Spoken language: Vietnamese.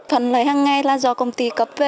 phần lấy hàng ngày là do công ty cấp về